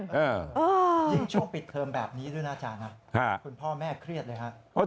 ยิงโชคปิดเทอมแบบนี้ด้วยนะอาจารย์คุณพ่อแม่เครียดเลยครับ